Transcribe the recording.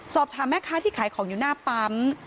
สอบถามแม่ค้าที่ขายของอยู่หน้าปั๊ม